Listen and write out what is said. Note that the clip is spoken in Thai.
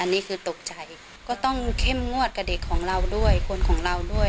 อันนี้คือตกใจก็ต้องเข้มงวดกับเด็กของเราด้วยคนของเราด้วย